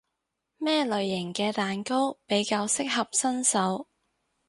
咩類型嘅蛋糕比較適合新手？